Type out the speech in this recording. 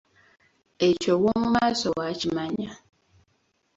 Ekyo ow’omu maaso bw’akimanya.